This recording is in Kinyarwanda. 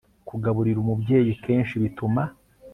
kugaburira umubyeyi kenshi bituma